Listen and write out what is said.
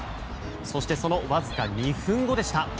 そしてそのわずか２分後でした。